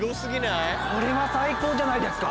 これは最高じゃないですか。